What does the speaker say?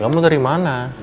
kamu dari mana